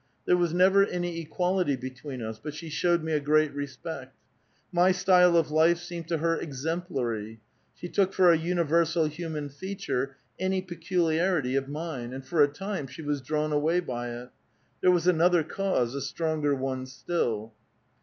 There was never any equal ity between us ; but she showed me a great respect. My style of life seemed to her exemplary ; she took for a univer sal human feature any peculiarity of mine, and for a time she was drawn away by it. There was another cause, a stronger one still.